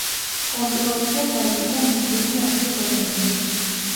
კომპილაცია გაიყიდა მილიონი ასლის ოდენობით.